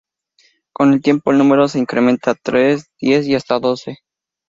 Con el tiempo el número se incrementa a tres, diez y hasta doce.